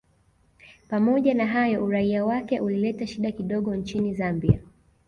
Pamoja na hayo uraia wake ulileta shida kidogo nchini Zambia